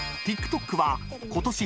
ＴｉｋＴｏｋはことし